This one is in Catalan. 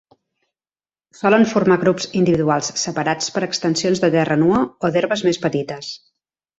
Solen formar grups individuals separats per extensions de terra nua o d'herbes més petites.